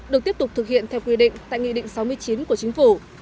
được tiếp tục thực hiện theo quy định tại nghị định sáu mươi chín của chính phủ